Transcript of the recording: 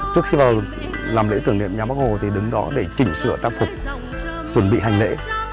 trước khi vào làm lễ tưởng niệm nhà bắc hồ thì đứng đó để chỉnh sửa tác phục chuẩn bị hành lễ